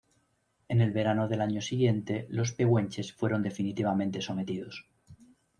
En el verano del año siguiente los pehuenches fueron definitivamente sometidos.